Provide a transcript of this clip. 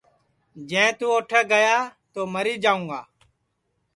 جے تُون اوٹھے گیا تو مری جاؤں گا